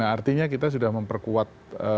artinya kita sudah memperkuat